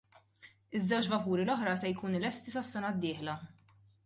Iż-żewġ vapuri l-oħra se jkunu lesti sas-sena d-dieħla.